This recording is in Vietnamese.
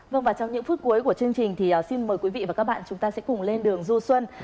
vâng và trong những phút cuối của chương trình thì xin mời quý vị và các bạn chúng ta sẽ cùng lên đường du xuân